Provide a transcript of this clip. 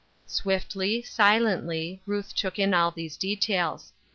Swiftly, silently, Ruth took in all these details.